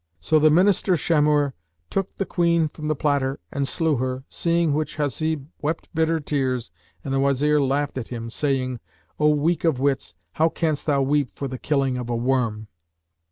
So the Minister Shamhur took the Queen from the platter and slew her, seeing which Hasib wept bitter tears and the Wazir laughed at him, saying, "O weak of wits, how canst thou weep for the killing of a worm?"